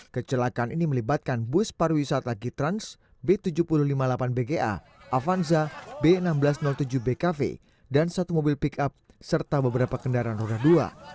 kecelakaan ini melibatkan bus pariwisata gitrans b tujuh ribu lima puluh delapan bga avanza b seribu enam ratus tujuh bkv dan satu mobil pick up serta beberapa kendaraan roda dua